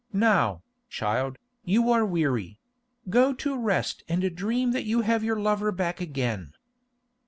Now, child, you are weary; go to rest and dream that you have your lover back again."